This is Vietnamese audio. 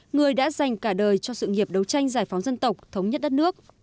người đã dành cả đời cho sự nghiệp đấu tranh giải phóng dân tộc thống nhất đất nước